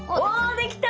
できた。